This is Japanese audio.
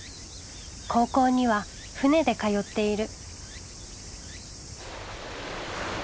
高校には船で通っている。